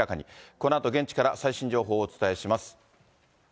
このあと現地から最新情報をお伝えします。